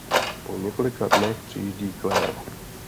Po několika dnech přijíždí Claire.